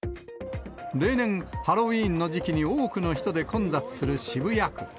例年、ハロウィーンの時期に多くの人で混雑する渋谷区。